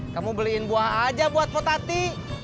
kamu beliin buah aja buat potati